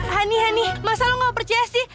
honey honey masa lu gak percaya sih